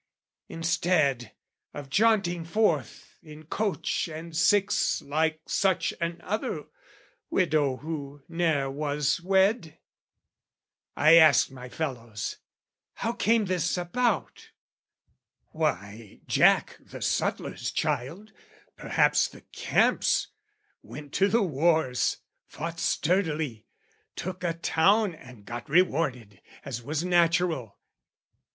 Instead of jaunting forth in coach and six Like such another widow who ne'er was wed? I asked my fellows, how came this about? "Why, Jack, the suttler's child, perhaps the camp's, "Went to the wars, fought sturdily, took a town "And got rewarded as was natural.